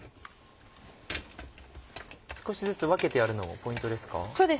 少しずつ分けてやるのもポイントですか？